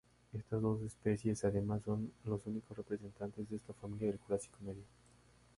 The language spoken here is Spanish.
Estas dos especies además son los únicos representantes de esta familia del Jurásico Medio.